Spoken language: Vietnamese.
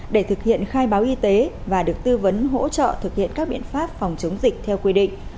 để thực hiện khai báo y tế và được tư vấn hỗ trợ thực hiện các biện pháp phòng chống dịch theo quy định